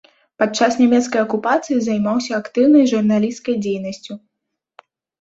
Падчас нямецкай акупацыі займаўся актыўнай журналісцкай дзейнасцю.